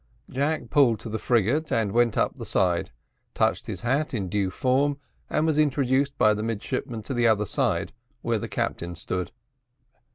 Jack pulled to the frigate and went up the side, touched his hat in due form, and was introduced by the midshipmen to the other side, where the captain stood.